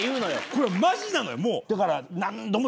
これマジなのよ